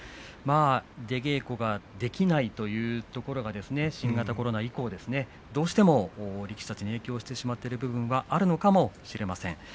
出稽古ができないというところが新型コロナ以降どうしても力士たちに影響している部分があるのかもしれません。